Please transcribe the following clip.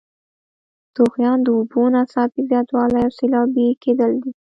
طغیان د اوبو ناڅاپي زیاتوالی او سیلابي کیدل دي.